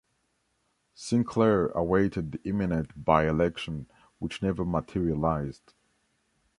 Sinclair awaited the imminent by-election, which never materialised.